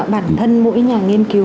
bản thân mỗi nhà nghiên cứu